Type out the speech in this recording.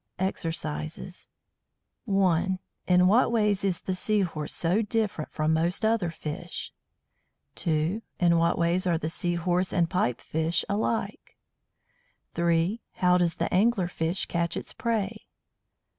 EXERCISES 1. In what ways is the Sea horse so different from most other fish? 2. In what ways are the Sea horse and Pipe fish alike? 3. How does the Angler fish catch its prey?